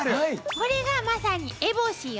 これがまさに烏帽子よ。